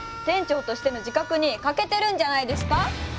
店長としての自覚に欠けてるんじゃないですか。